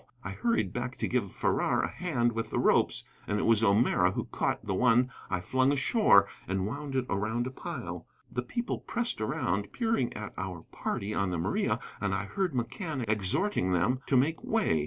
I hurried back to give Farrar a hand with the ropes, and it was O'Meara who caught the one I flung ashore and wound it around a pile. The people pressed around, peering at our party on the Maria, and I heard McCann exhorting them to make way.